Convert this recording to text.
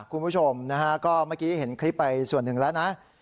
คุณผู้ชมนะฮะก็เมื่อกี้เห็นคลิปไปส่วนหนึ่งแล้วนะ